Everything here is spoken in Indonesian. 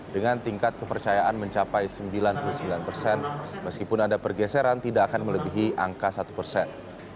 dengan tingkat kepercayaan mencapai sembilan puluh sembilan persen meskipun ada pergeseran tidak akan melebihi angka satu persen